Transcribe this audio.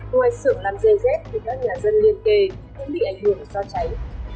ngoài sự làm dây dết những các nhà dân liên kề cũng bị ảnh hưởng do cháy